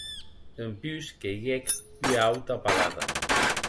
Dempús queiguec ua auta palada.